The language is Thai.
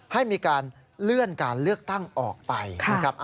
ให้มีการเลื่อนการเลือกตั้งออกไปนะครับ